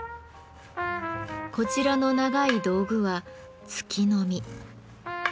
こちらの長い道具は「突きのみ」。